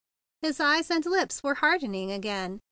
His eyes and lips were hardening again.